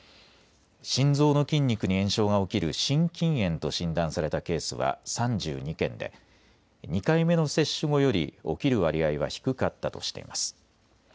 心臓の筋肉に炎症が起きる心筋炎と診断されたケースは３２件で２回目の接種後より起きる割合は低かったとしています。